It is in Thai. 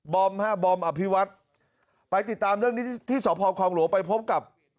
ฮะบอมอภิวัตรไปติดตามเรื่องนี้ที่สพคลองหลวงไปพบกับ